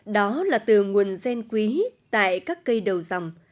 đó là từ nguồn gen quý tại các cây đầu dòng